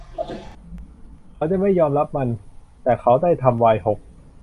เขาจะไม่ยอมรับมัน แต่เขาได้ทำไวน์หก